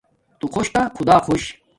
تو خوش تا خدا خوش